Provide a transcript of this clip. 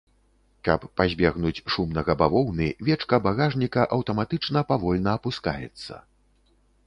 Каб пазбегнуць шумнага бавоўны, вечка багажніка аўтаматычна павольна апускаецца.